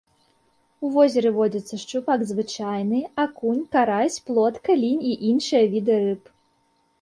У возеры водзяцца шчупак звычайны, акунь, карась, плотка, лінь і іншыя віды рыб.